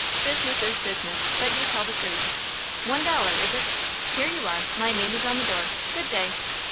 "Business is business, but you tell the truth. One dollar, is it? Here you are. My name is on the door. Good day."